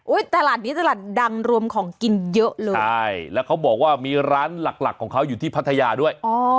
ตลาดนี้ตลาดดังรวมของกินเยอะเลยใช่แล้วเขาบอกว่ามีร้านหลักหลักของเขาอยู่ที่พัทยาด้วยอ๋อ